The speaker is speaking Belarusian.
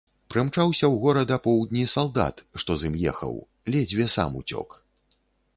Прымчаўся ў горад апоўдні салдат, што з ім ехаў, ледзьве сам уцёк.